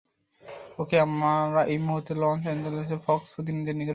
ওকে, আমরা এই মুহূর্তে লস অ্যাঞ্জেলসে ফক্স প্রতিনিধির নিকট ফিরে যাচ্ছি!